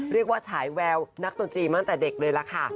เรียกว่าฉายแววนักตนตรีมาตั้งแต่เด็กเลยละค่ะ